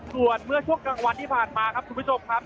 ส่วนเมื่อช่วงกลางวันที่ผ่านมาครับคุณผู้ชมครับ